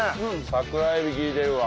桜エビ利いてるわ。